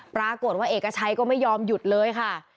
ปรากฏว่าเอกชัยก็ไม่ยอมหยุดเลยค่ะ